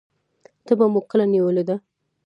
تبه مو کله نیولې ده؟